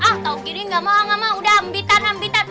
ah tau gini nggak mau ngamau udah ambitan ambitan